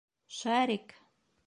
Шарик!